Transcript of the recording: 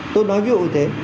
tôi nói ví dụ như thế